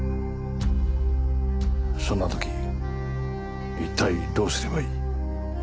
そんな時一体どうすればいい？